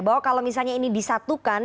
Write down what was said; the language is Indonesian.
bahwa kalau misalnya ini disatukan